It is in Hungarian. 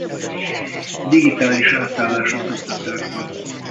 Digitális átállás az oktatásban.